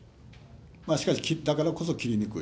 しかしだからこそ切りにくい。